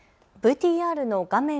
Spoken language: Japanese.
ＶＴＲの画面